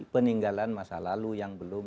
peninggalan masa lalu yang belum